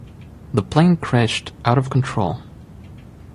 The plane crashed out of control.